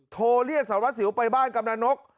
โทรเรียนสะสิวไปบ้านกับนานก